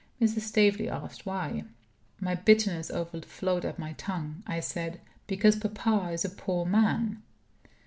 Mrs. Staveley asked why. My bitterness overflowed at my tongue. I said: "Because papa is a poor man."